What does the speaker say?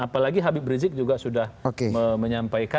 apalagi habib rizik juga sudah menyampaikan